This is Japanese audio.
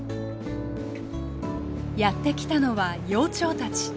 やってきたのは幼鳥たち。